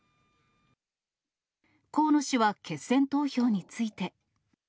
河野氏は決選投票について。